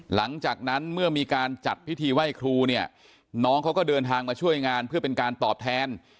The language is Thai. หลังจากนั้นเมื่อมีการจัดพิธีไหว้ครูเนี่ยน้องเขาก็เดินทางมาช่วยงานเพื่อเป็นการตอบแทน